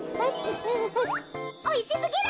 おいしすぎる。